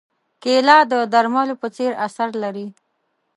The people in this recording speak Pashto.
کېله د درملو په څېر اثر لري.